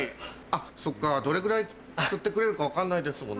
あっそっかどれぐらい吸ってくれるか分かんないですもんね。